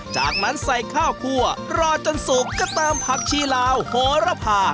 จากนั้นใส่ข้าวคั่วรอจนสุกก็เติมผักชีลาวโหระพา